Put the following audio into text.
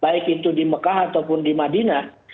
baik itu di mekah ataupun di madinah